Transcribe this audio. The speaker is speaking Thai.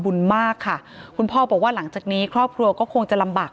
บุญมากค่ะคุณพ่อบอกว่าหลังจากนี้ครอบครัวก็คงจะลำบาก